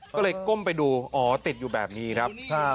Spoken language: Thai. ก็เลยก้มไปดูอ๋อติดอยู่แบบนี้ครับ